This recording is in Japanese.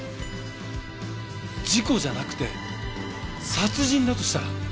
事故じゃなくて殺人だとしたら。